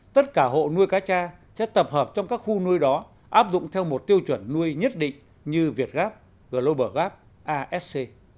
tất cả hộ nuôi cá cha sẽ tập hợp trong các khu nuôi đó áp dụng theo một tiêu chuẩn nuôi nhất định như vietgraph globalgraph asc